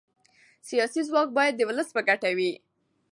سیاسي ځواک باید د ولس په ګټه وي